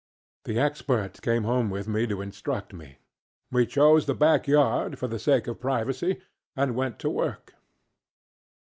The Expert came home with me to instruct me. We chose the back yard, for the sake of privacy, and went to work.